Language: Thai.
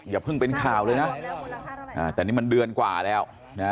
อย่าเพิ่งเป็นข่าวเลยนะแต่นี่มันเดือนกว่าแล้วนะ